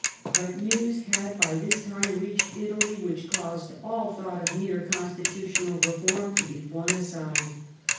But news had, by this time reached Italy which caused all thought of mere constitutional reform to be flung aside.